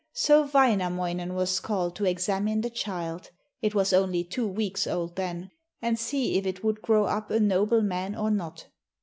So Wainamoinen was called to examine the child it was only two weeks old then and see if it would grow up a noble man or not.